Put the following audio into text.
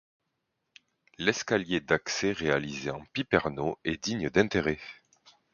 L'escalier d'accès réalisé en piperno est digne d'intérêt.